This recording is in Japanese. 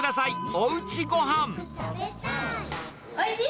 おいしい？